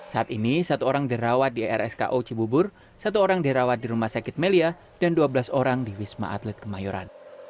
saat ini satu orang dirawat di rsko cibubur satu orang dirawat di rumah sakit melia dan dua belas orang di wisma atlet kemayoran